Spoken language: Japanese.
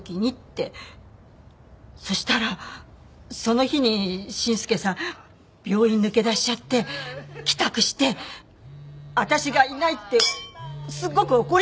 そしたらその日に伸介さん病院抜け出しちゃって帰宅して私がいないってすごく怒りだしちゃったの。